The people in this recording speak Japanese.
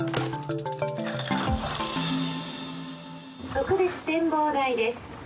「特別展望台です」